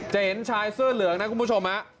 เห็นชายเสื้อเหลืองนะคุณผู้ชม